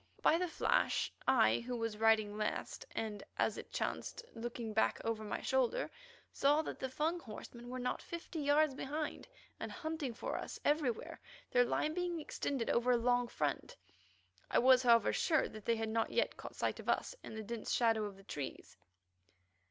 By the flash I, who was riding last and, as it chanced, looking back over my shoulder, saw that the Fung horsemen were not fifty yards behind, and hunting for us everywhere, their line being extended over a long front. I was, however, sure that they had not yet caught sight of us in the dense shadow of the trees.